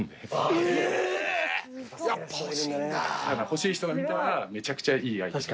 欲しい人が見たらめちゃくちゃいいアイテム。